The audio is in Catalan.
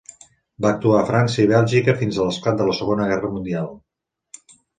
Va actuar a França i Bèlgica fins a l'esclat de la Segona Guerra Mundial.